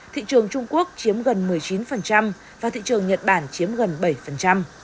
thị trường trung quốc chiếm gần một mươi chín và thị trường nhật bản chiếm gần bảy